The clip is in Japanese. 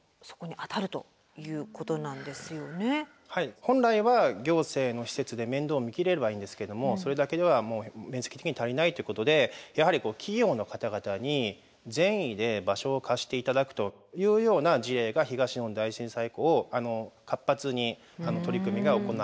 本来は行政の施設で面倒見きれればいいんですけどもそれだけでは面積的に足りないということでやはり企業の方々に善意で場所を貸して頂くというような事例が東日本大震災以降活発に取り組みが行われています。